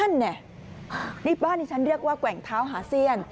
นั่นไงนี่บ้านที่ฉันเรียกว่าแกว่งเท้าหาเซียน